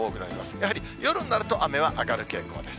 やはり夜になると雨は上がる傾向です。